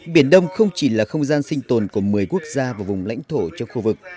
biển đông không chỉ là không gian sinh tồn của một mươi quốc gia và vùng lãnh thổ trong khu vực